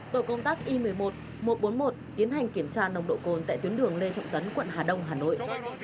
tổ công tác i một mươi một một trăm bốn mươi một tiến hành kiểm tra nồng độ cồn tại tuyến đường lê trọng tấn quận hà đông hà nội